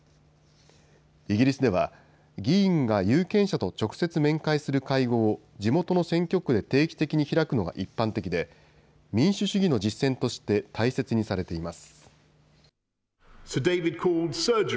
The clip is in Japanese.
イギリスでは議員が有権者と直接面会する会合を地元の選挙区で定期的に開くのが一般的で民主主義の実践として大切にされています。